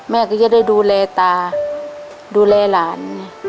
แม่ก็จะได้ดูแลตาดูแลหลาน